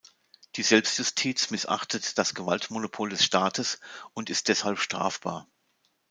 Die Selbstjustiz missachtet das Gewaltmonopol des Staates und ist deshalb strafbar.